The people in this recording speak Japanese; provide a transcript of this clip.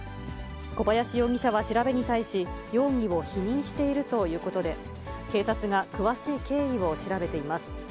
小林容疑者は調べに対し、容疑を否認しているということで、警察が詳しい経緯を調べています。